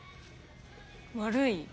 悪い？